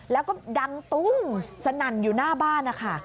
แล้วก็ดังตุ้งสนั่นอยู่หน้าบ้านนะคะ